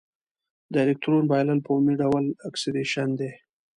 د الکترون بایلل په عمومي ډول اکسیدیشن دی.